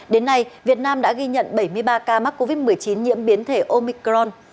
đến nay việt nam đã ghi nhận bảy mươi ba ca mắc covid một mươi chín nhiễm biến thể omicron